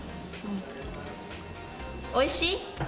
おいしい？